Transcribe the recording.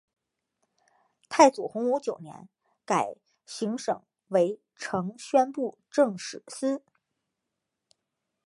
太祖洪武九年改行省为承宣布政使司。